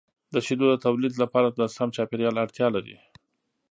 د شیدو د تولید لپاره د سم چاپیریال اړتیا لري.